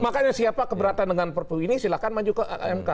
makanya siapa keberatan dengan perpu ini silahkan maju ke mk